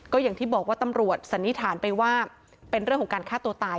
ก็อย่างที่บอกว่าตำรวจสันนิษฐานไปว่าเป็นเรื่องของการฆ่าตัวตาย